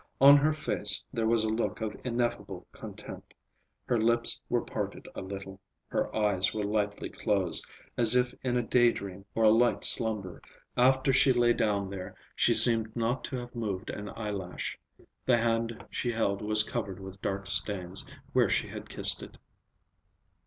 On her face there was a look of ineffable content. Her lips were parted a little; her eyes were lightly closed, as if in a day dream or a light slumber. After she lay down there, she seemed not to have moved an eyelash. The hand she held was covered with dark stains, where she had kissed it.